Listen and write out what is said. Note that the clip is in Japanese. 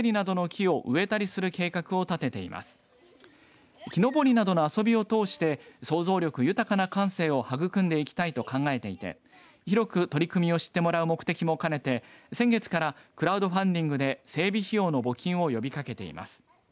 木登りなどの遊びを通して想像力豊かな感性を育んでいきたいと考えていて広く取り組みを知ってもらう目的も兼ねて、先月からクラウドファンディングで整備費用の募金を呼びかけています。